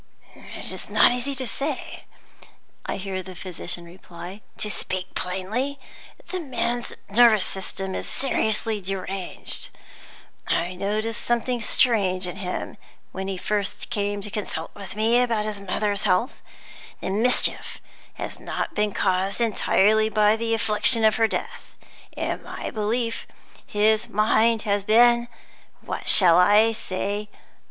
"It is not easy to say," I hear the physician reply. "To speak plainly, the man's nervous system is seriously deranged. I noticed something strange in him when he first came to consult me about his mother's health. The mischief has not been caused entirely by the affliction of her death. In my belief, his mind has been what shall I say?